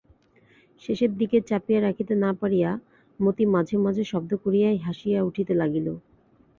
শেষের দিকে চাপিয়া রাখিতে না পারিয়া মতি মাঝে মাঝে শব্দ করিয়াই হাসিয়া উঠিতে লাগিল।